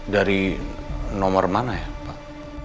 dari nomor mana ya pak